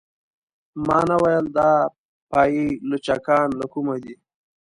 ما نه ویل دا پايي لچکان له کومه دي.